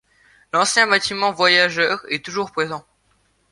L'ancien bâtiment voyageurs est toujours présent.